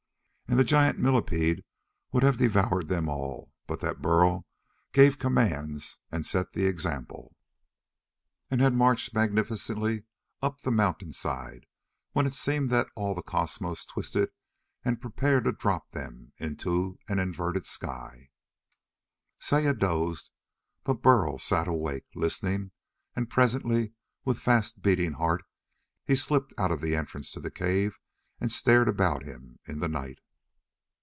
And the giant millipede would have devoured them all, but that Burl gave commands and set the example, and he had marched magnificently up the mountainside when it seemed that all the cosmos twisted and prepared to drop them into an inverted sky.... Saya dozed. And Burl sat awake, listening, and presently with fast beating heart he slipped out of the entrance to the cave and stared about him in the night.